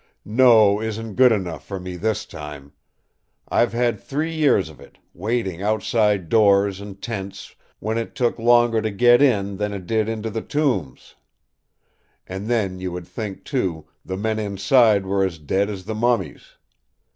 'No' isn't good enough for me this time! I've had three years of it, waiting outside doors and tents when it took longer to get in than it did into the tombs; and then you would think, too, the men inside were as dead as the mummies.